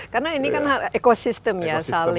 karena ini kan ekosistem ya